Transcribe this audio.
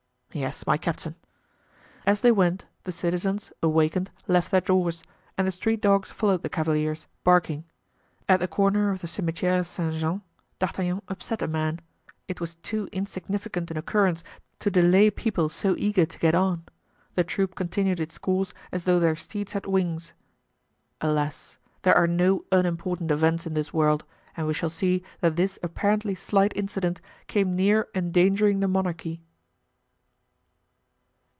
"Yes, my captain." As they went, the citizens, awakened, left their doors and the street dogs followed the cavaliers, barking. At the corner of the Cimetiere Saint Jean, D'Artagnan upset a man; it was too insignificant an occurrence to delay people so eager to get on. The troop continued its course as though their steeds had wings. Alas! there are no unimportant events in this world and we shall see that this apparently slight incident came near endangering the monarchy.